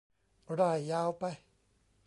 ร่ายยาวไป